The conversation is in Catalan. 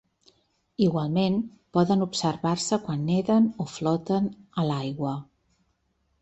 Igualment poden observar-se quan neden o floten en l'aigua.